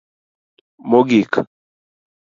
mogik